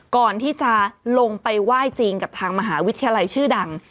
ก่อนที่จะลงไปไหว้จริงกับทางมหาวิทยาลัยชื่อดัง